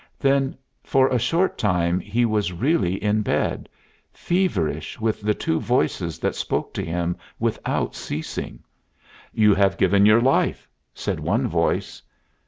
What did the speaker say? Then for a short time he was really in bed, feverish with the two voices that spoke to him without ceasing. "You have given your life," said one voice.